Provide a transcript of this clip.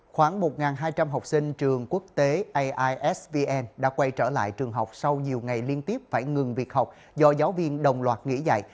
khoảng một hai trăm linh học sinh trường quốc tế aisvn đã quay trở lại trường học sau nhiều ngày liên tiếp phải ngừng việc học do giáo viên đồng loạt nghỉ dạy